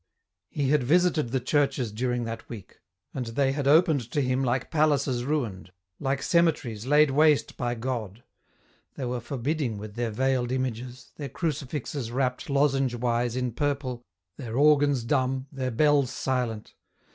He had visited the churches during that week ; and they had opened to him like palaces ruined, like cemeteries laid waste by God. They were forbidding with their veiled images, their crucifixes wrapped lozenge wise in purple, their organs dumb, their bells silent.